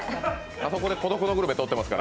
あそこで「孤独のグルメ」をとってますから。